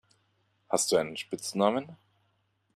Hast du einen Spitznamen?